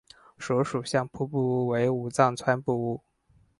所属相扑部屋为武藏川部屋。